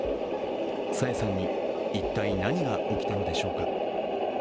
朝芽さんに一体、何が起きたのでしょうか。